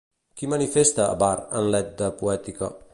Qui manifesta a Vár en l'Edda poètica?